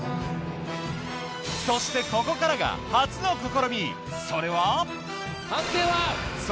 そしてここからが初の試み